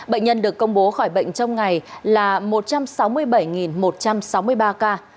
bệnh nhân được công bố khỏi bệnh trong ngày là một trăm sáu mươi bảy một trăm sáu mươi ba ca